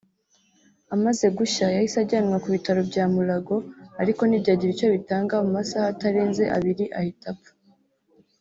Amaze gushya yahise ajyanwa ku bitaro bya Mulago ariko ntibyagira icyo bitanga mu masaha atarenze abiri ahita apfa